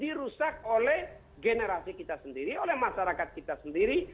dirusak oleh generasi kita sendiri oleh masyarakat kita sendiri